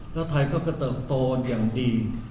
แล้วไทยก็เติบโตอย่างดี